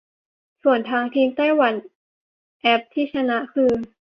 ส่วนทางทีมไต้หวันแอปที่ชนะคือ